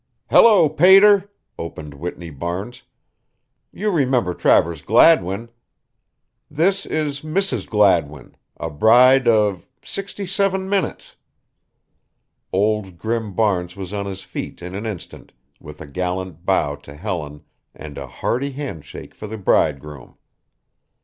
"Hello, Pater," opened Whitney Barnes, "you remember Travers Gladwin. This is Mrs. Gladwin, a bride of sixty seven minutes!" Old Grim Barnes was on his feet in an instant with a gallant bow to Helen and a hearty handshake for the bridegroom.